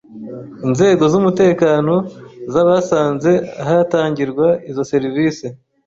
inzego z’umutekano zabasanze ahatangirwa izo serivisi